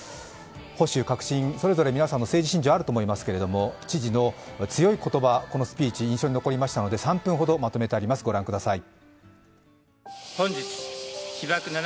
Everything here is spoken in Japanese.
保守、革新、それぞれ皆さんの政治支持あると思いますけれども、知事の強い言葉、このスピーチ、印象に残りましたので３分ほどまとめてあります、御覧ください。